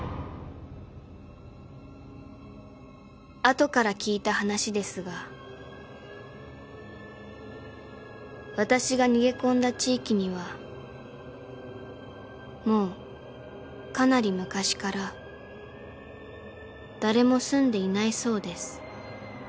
［後から聞いた話ですが私が逃げ込んだ地域にはもうかなり昔から誰も住んでいないそうです］